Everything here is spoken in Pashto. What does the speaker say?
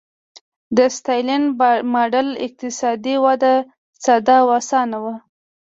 د ستالین ماډل اقتصادي وده ساده او اسانه وه.